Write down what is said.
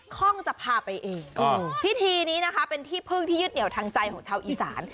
ข้องจะพาไปเองพิธีนี้นะคะเป็นที่พึ่งที่ยึดเหนียวทางใจของชาวอีสาน